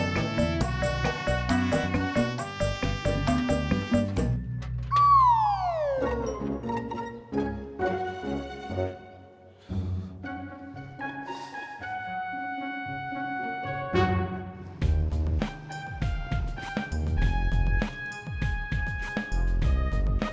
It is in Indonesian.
pak sopya ngambeknya serius